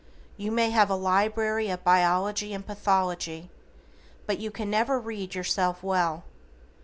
You may have a library of biology and pathology, but you can never read yourself well.